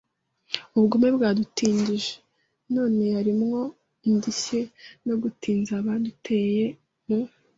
ubugome bwadutindije, none yarimo indishyi no gutinza abaduteye. mu